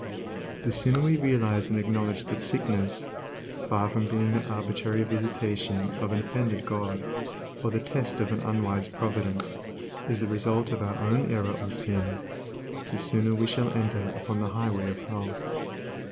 The sooner we realize and acknowledge that sickness, far from being the arbitrary visitation of an offended God, or the test of an unwise Providence, is the result of our own error or sin, the sooner shall we enter upon the highway of health.